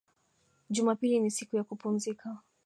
Jumapili ni siku ya kupumzika